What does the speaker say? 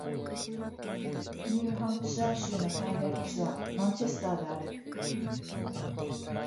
ニューハンプシャー州の最大都市はマンチェスターである